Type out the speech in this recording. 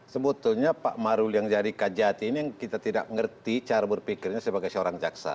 sebetulnya pak marul yang jadi kajati ini yang kita tidak mengerti cara berpikirnya sebagai seorang jaksa